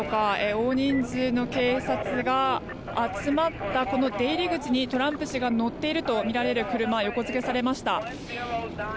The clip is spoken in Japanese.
大人数の警察が集まったこの出入り口にトランプ氏が乗っているとみられる車が横付けされました。